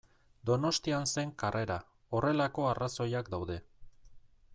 Donostian zen karrera, horrelako arrazoiak daude.